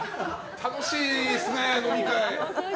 楽しいですね、飲み会。